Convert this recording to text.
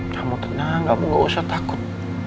kamu tenang kamu gak usah takut